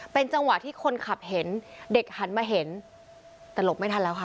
เป็นจังหวะที่คนขับเห็นเด็กหันมาเห็นแต่หลบไม่ทันแล้วค่ะ